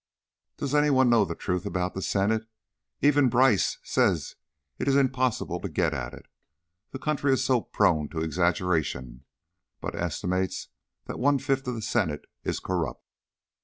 "Does any one know the truth about the Senate? Even Bryce says it is impossible to get at it, the country is so prone to exaggeration; but estimates that one fifth of the Senate is corrupt."